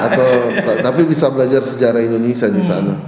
atau tapi bisa belajar sejarah indonesia di sana